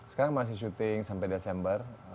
sekarang masih syuting sampai desember